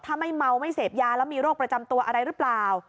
ถ้าไม่เมาไม่เสพยาแล้วมีโรคประจำตัวอะไรหรือเปล่า